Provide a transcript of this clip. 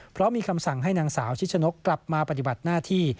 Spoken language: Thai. เพราะมีคำสั่งให้นางสาวชิชนกกลับมาปฏิบัติหน้าที่